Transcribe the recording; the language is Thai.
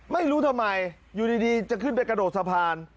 ไม่รู้ทำไมอยู่ดีจะขึ้นไปกระโดดสะพาน